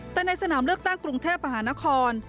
แต่ในสนามเลือกตั้งกรุงเทพมหานคร